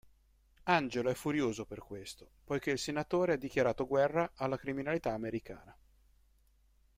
Angelo è furioso per questo, poiché il senatore ha dichiarato guerra alla criminalità americana.